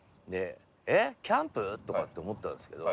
「えっキャンプ？」とかって思ったんですけど。